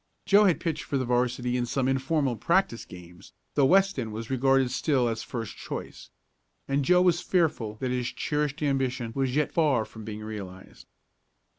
Joe had pitched for the 'varsity in some informal practice games, though Weston was regarded still as first choice. And Joe was fearful that his cherished ambition was yet far from being realized.